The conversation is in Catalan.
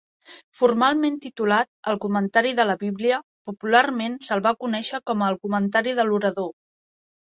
Formalment titulat "El Comentari de la Bíblia", popularment se'l va conèixer com a "El Comentari de l'orador".